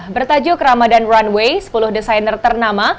bertajuk ramadan runway sepuluh desainer ternama